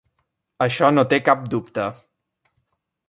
Això no té cap dubte.